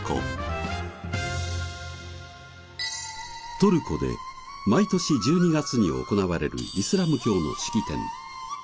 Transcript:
トルコで毎年１２月に行われるイスラム教の式典。